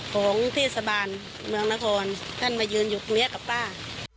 ของที่สบานเมืองนครท่านมายืนอยู่เมียกับป้า